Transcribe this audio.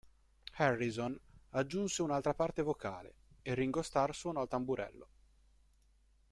Harrison aggiunse un'altra parte vocale, e Ringo Starr suonò il tamburello.